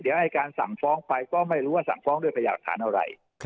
เดี๋ยวอายการสั่งฟ้องไปก็ไม่รู้ว่าสั่งฟ้องด้วยพยาหลักฐานอะไร